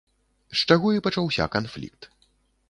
З чаго і пачаўся канфлікт.